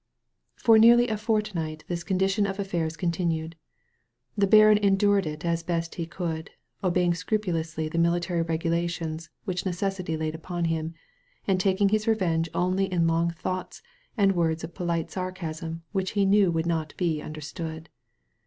For nearly a fortnight this condition of affairs continued. The baron endured it as best he could, obeying scrupulously the military regulations which necessity laid upon him, and taking his revenge only in long thoughts and words of polite sarcasm which he knew would not be understood.